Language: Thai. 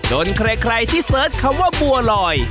ใครที่เสิร์ชคำว่าบัวลอย